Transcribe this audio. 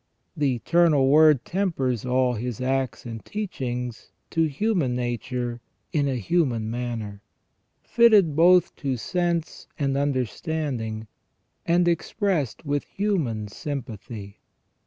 The Eternal Word tempers all His acts and teachings to human nature in a human manner, fitted both to sense and understanding, and expressed with human sympathy.